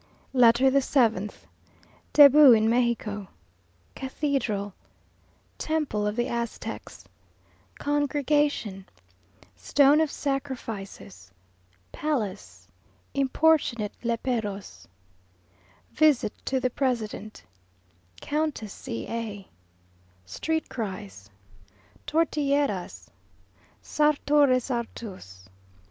LETTER THE SEVENTH Debut in Mexico Cathedral Temple of the Aztecs Congregation Stone of Sacrifices Palace Importunate Léperos Visit to the President Countess C a Street cries Tortilleras Sartor Resartus.